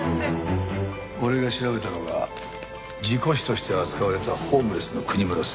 俺が調べたのが事故死として扱われたホームレスの国村誠司。